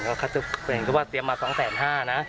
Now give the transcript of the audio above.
เพราะที่หนึ่งก็ว่าเตรียมนาง๒๕๐๐๐บาทนะ